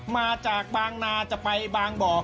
มาจากบางนาจะไปบางบ่อ